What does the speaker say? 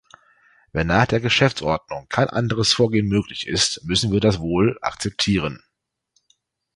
Wenn nach der Geschäftsordnung kein anderes Vorgehen möglich ist, müssen wir das wohl akzeptieren.